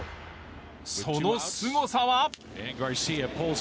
そのすごさは。